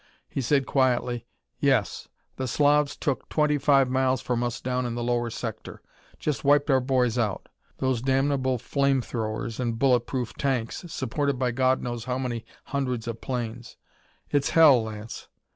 He said quietly: "Yes. The Slavs took twenty five miles from us down in the lower sector. Just wiped our boys out. Those damnable flame throwers and bullet proof tanks, supported by God knows how many hundreds of planes. It's hell, Lance!